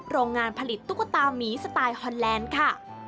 โรงงานผลิตตุ๊กตามีสไตล์ฮอนแลนด์ค่ะ